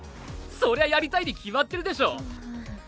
そりゃやりたいに決まってるでしょ！